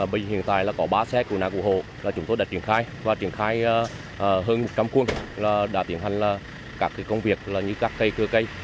bây giờ hiện tại là có ba xe cứu nạn cứu hộ là chúng tôi đã triển khai và triển khai hơn một trăm linh cuốn là đã triển khai là các công việc như các cây cưa cây